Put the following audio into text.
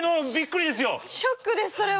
ショックですそれは。